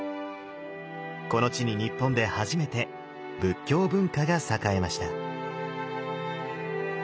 この地に日本で初めて仏教文化が栄えました。